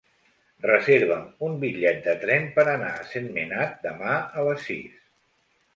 Reserva'm un bitllet de tren per anar a Sentmenat demà a les sis.